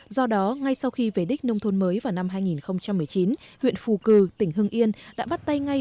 do đó ngay sau khi về đích nông thôn mới vào năm hai nghìn một mươi chín huyện phù cử tỉnh hưng yên đã bắt tay ngay